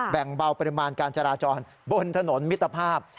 แบ่งเบาปริมาณการจราจรบนถนนมิตรภาพ